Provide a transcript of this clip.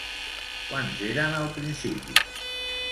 Quants eren al principi?